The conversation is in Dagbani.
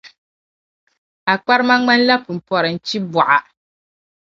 A kparima ŋmanila pumpɔrinchi’ bɔɣa.